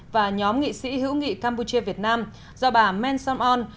và nhóm nghị sĩ hữu nghị campuchia việt nam do bà men som on